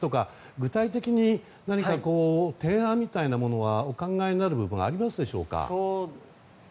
具体的に何か提案みたいなものはお考えになる部分はありますでしょうか？